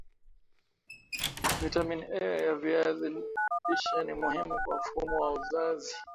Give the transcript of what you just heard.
vitamini A ya viazi lishe ni muhimu kwa mfumo wa uzazi